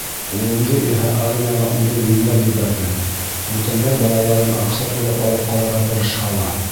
Улымды иһә армияға үҙем йүнләп ебәрҙем, бүтәндәр балаларын аҡса түләп алып ҡалырға тырышһа ла.